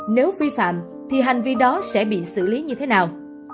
nếu vi phạm thì hành vi đó sẽ bị xử lý như thế nào